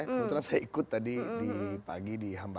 kemudian saya ikut tadi di pagi